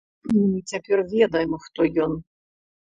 Мы цяпер ведаем, хто ён.